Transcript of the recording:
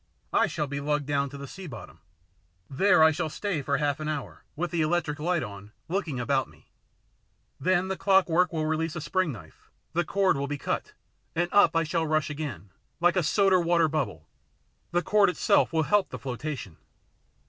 I shall be lugged down to the sea bottom. There I shall stay for half an hour, with the electric light on, looking about me. Then the clockwork will release a spring knife, the cord will be cut, and up I shall 76 THE PLATTNER STORY AND OTHERS rush again, like a soda water bubble. The cord itself will help the flotation."